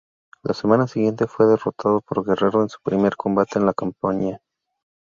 La semana siguiente, fue derrotado por Guerrero en su primer combate en la compañía.